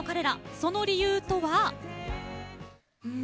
その理由とは。